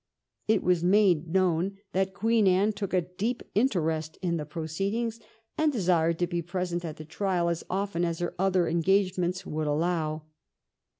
It was made known that Queen Anne took a deep interest in the proceedings, and de sired to be present at the trial as often as her other engagements would allow.